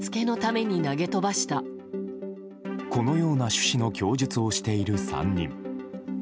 このような趣旨の供述をしている３人。